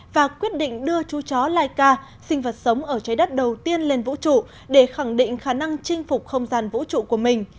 và quyết định đưa chú chó laika sinh vật sống ở trái đất đầu tiên lên vũ trụ để khẳng định khả năng chinh phục không gian vũ trụ của mình